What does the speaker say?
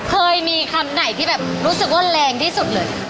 เคยมีคำไหนที่แบบรู้สึกว่าแรงที่สุดเลย